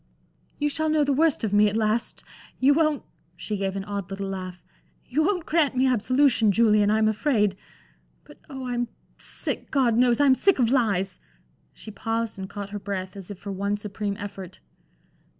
"You shall know the worst of me, at last. You won't" she gave an odd little laugh "you won't grant me absolution, Julian, I'm afraid. But oh, I'm sick God knows, I'm sick of lies!" She paused and caught her breath as if for one supreme effort.